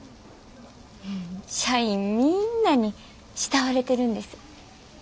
社員みんなに慕われてるんです。